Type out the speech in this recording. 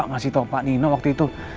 ngasih tau pak nino waktu itu